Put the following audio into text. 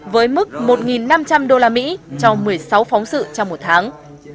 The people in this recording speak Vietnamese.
với mức một năm trăm linh usd trong một mươi sáu phóng sự trong một tháng